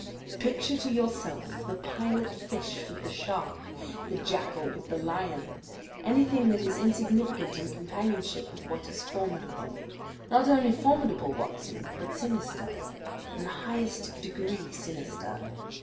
Picture to yourself the pilot fish with the shark, the jackal with the lion anything that is insignificant in companionship with what is formidable: not only formidable, Watson, but sinister in the highest degree sinister.